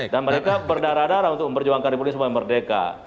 dan mereka berdarah darah untuk memperjuangkan republik ini sebagai merdeka